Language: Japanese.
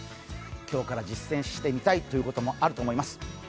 今日から実践してみたいということもあると思います。